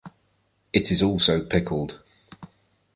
It is also pickled.